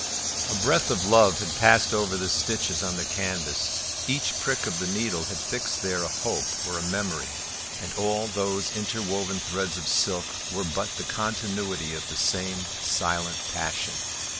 A breath of love had passed over the stitches on the canvas; each prick of the needle had fixed there a hope or a memory, and all those interwoven threads of silk were but the continuity of the same silent passion.